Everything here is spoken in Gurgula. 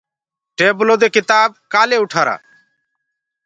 ٽيبلو دي ڪِتآب ڪآلي اُٽآرآ۔